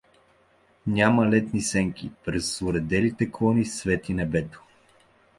Няма летните сенки — през оределите клони свети небето.